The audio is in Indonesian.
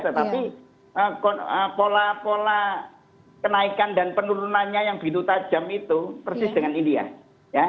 tetapi pola pola kenaikan dan penurunannya yang begitu tajam itu persis dengan india